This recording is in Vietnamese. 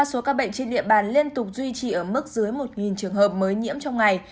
số ca bệnh trên địa bàn liên tục duy trì ở mức dưới một trường hợp mới nhiễm trong ngày